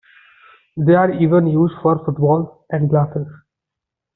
They are even used for footballs and glasses.